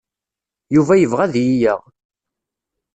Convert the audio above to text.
Yuba yebɣa ad iyi-yaɣ.